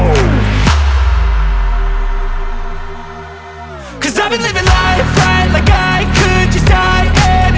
untuk membajak sawah